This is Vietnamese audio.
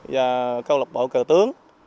và câu lạc bộ cờ tướng